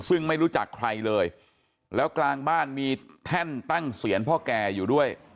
ซึ่งไม่รู้จักใครเลยแล้วกลางบ้านมีแท่นตั้งเซียนพ่อแก่อยู่ด้วย